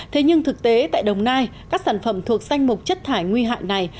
thế nhưng thực tế tại đồng nai các sản phẩm thuộc danh mục chất thải nguy hại này